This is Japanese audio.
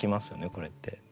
これって。